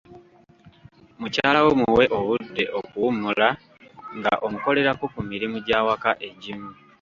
Mukyala wo muwe obudde okuwummula nga omukolerako ku mirimu gy'awaka egimu.